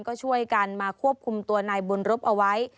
ก็ช่วยกันมาควบคุมตัวนายบุญรบเอาไว้